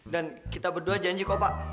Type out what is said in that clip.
kita berdua janji kok pak